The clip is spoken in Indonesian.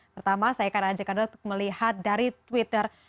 pertama saya akan ajak anda untuk melihat dari twitter